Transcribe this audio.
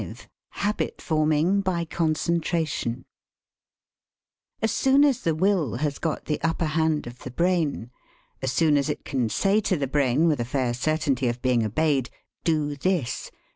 V HABIT FORMING BY CONCENTRATION As soon as the will has got the upper hand of the brain as soon as it can say to the brain, with a fair certainty of being obeyed: 'Do this.